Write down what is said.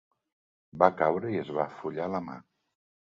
Va caure i es va afollar la mà.